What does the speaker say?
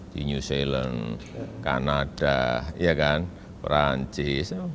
di new zealand kanada perancis